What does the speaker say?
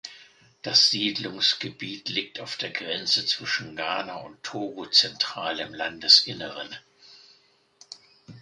Das Siedlungsgebiet liegt auf der Grenze zwischen Ghana und Togo zentral im Landesinneren.